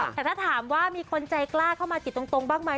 แต่ถ้าถามว่ามีคนใจกล้าเข้ามาติดตรงบ้างไหม